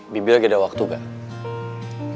bibi lagi ada waktu gak